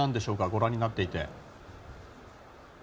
ご覧になっていて。